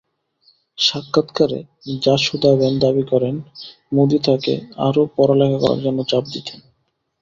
সাক্ষাত্কারে জাশোদাবেন দাবি করেন, মোদি তাঁকে আরও পড়ালেখা করার জন্য চাপ দিতেন।